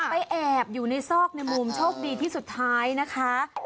แอบอยู่ในซอกในมุมโชคดีที่สุดท้ายนะคะ